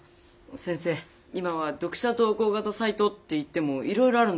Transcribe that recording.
先生今は読者投稿型サイトっていってもいろいろあるんだ。